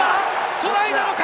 トライなのか？